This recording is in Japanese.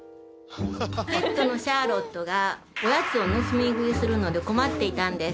ペットのシャーロットがおやつを盗み食いするので困っていたんです。